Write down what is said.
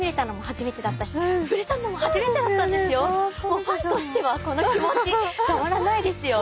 もうファンとしてはこの気持ちたまらないですよ！